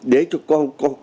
để cho con